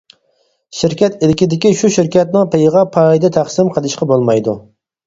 شىركەت ئىلكىدىكى شۇ شىركەتنىڭ پېيىغا پايدا تەقسىم قىلىشقا بولمايدۇ.